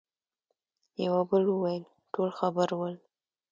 يوه بل وويل: ټول خبر ول.